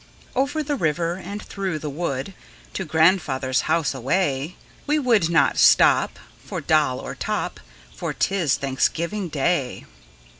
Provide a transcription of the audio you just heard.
Over the river, and through the wood, To grandfather's house away! We would not stop For doll or top, For 't is Thanksgiving Day.